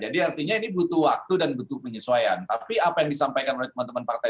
jadi artinya ini butuh waktu dan butuh penyesuaian tapi apa yang disampaikan oleh teman teman partai